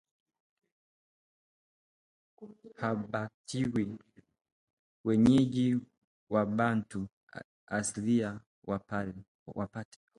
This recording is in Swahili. Wabatawi wenyeji Wabantu asilia wa Pate